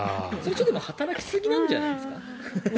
働きすぎなんじゃないですか？